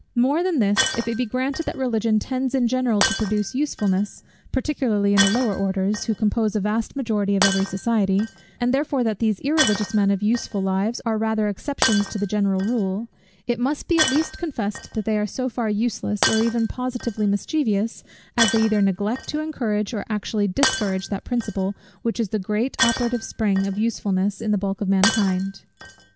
More than this; if it be granted that Religion tends in general to produce usefulness, particularly in the lower orders, who compose a vast majority of every society; and therefore that these irreligious men of useful lives are rather exceptions to the general rule; it must at least be confessed that they are so far useless, or even positively mischievous, as they either neglect to encourage or actually discourage that principle, which is the great operative spring of usefulness in the bulk of mankind.